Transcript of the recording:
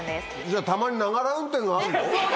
じゃあたまにながら運転があるの？